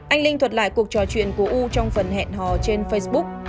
anh linh thuật lại cuộc trò chuyện của u trong phần hẹn hò trên facebook